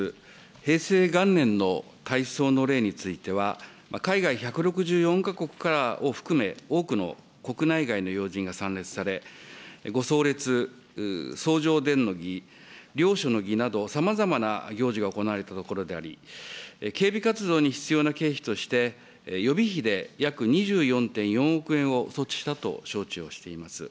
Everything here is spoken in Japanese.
平成元年の大喪の礼については、海外１６４か国からを含め、多くの国内外の要人が参列され、ご葬列、そうじょうでんの儀、りょうしょの儀など、さまざまな行事が行われたところであり、警備活動に必要な経費として、予備費で約２４．４億円を措置したと承知をしております。